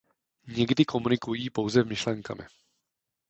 Někdy komunikují pouze myšlenkami.